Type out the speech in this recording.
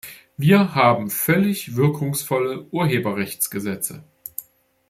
Wir haben völlig wirkungsvolle Urheberrechtsgesetze.